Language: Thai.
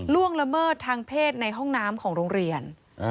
ล่วงละเมิดทางเพศในห้องน้ำของโรงเรียน